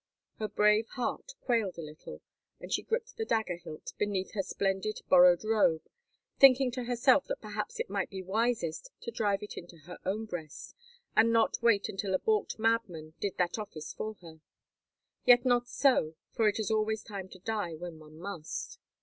Her brave heart quailed a little, and she gripped the dagger hilt beneath her splendid, borrowed robe, thinking to herself that perhaps it might be wisest to drive it into her own breast, and not wait until a balked madman did that office for her. Yet not so, for it is always time to die when one must.